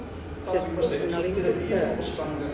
続きまして、Ｅテレ、ＢＳの推しバン！です。